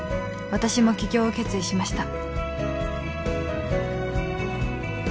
「私も起業を決意しました」